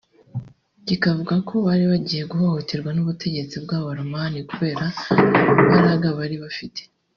kikavuga ko bari bagiye guhotorwa n’ubutegetsi bw’Abaromani kubera imbaraga bari bafite